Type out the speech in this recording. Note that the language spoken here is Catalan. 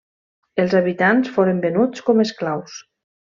Els habitants foren venuts com esclaus.